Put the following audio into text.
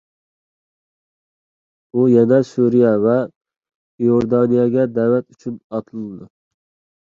ئۇ يەنە سۈرىيە ۋە ئىيوردانىيەگە دەۋەت ئۈچۈن ئاتلىنىدۇ.